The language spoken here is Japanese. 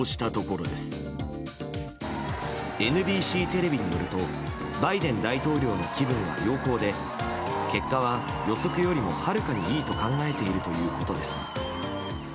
ＮＢＣテレビによるとバイデン大統領の気分は良好で結果は予測よりもはるかにいいと考えているということです。